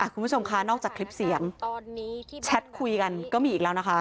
คุณผู้ชมคะนอกจากคลิปเสียงที่แชทคุยกันก็มีอีกแล้วนะคะ